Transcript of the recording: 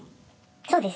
そうです。